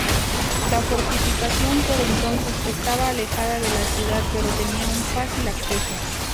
La fortificación por entonces estaba alejada de la ciudad, pero tenía un fácil acceso.